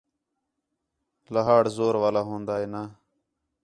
لہاڑ زور والا ہون٘دا ہِے نا